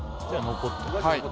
じゃあ残ってはい